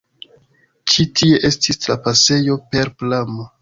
Ĉi tie estis trapasejo per pramo.